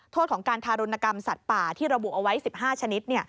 โทษของการทารุณกรรมสัตว์ป่าที่ระบุเอาไว้๑๕ชนิด